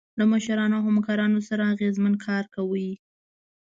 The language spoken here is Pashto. له مشرانو او همکارانو سره اغیزمن کار کوئ.